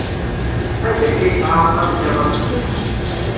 Anda akka yesɛa axxam nniḍen?